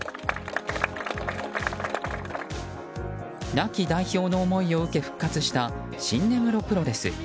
亡き代表の思いを受け復活した新根室プロレス。